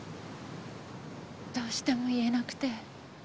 どうしても言えなくて。